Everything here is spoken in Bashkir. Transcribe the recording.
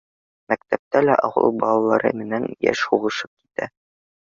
Мәктәптә лә ауыл балалары менән йыш һуғышып китә.